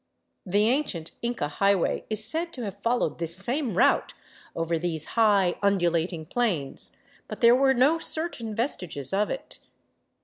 The ancient Inca highway is said to have followed this same route over these high, un dulating plains, but there were no certain vestiges of it.